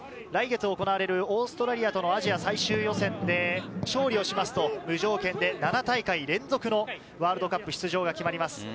来月行われるオーストラリアとのアジア最終予選で勝利をしますと無条件で７大会連続のワールドカップ出場が決まります。